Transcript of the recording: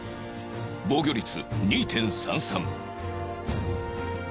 防御率 ２．３３